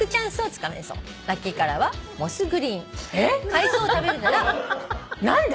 「海藻を食べるなら」何で？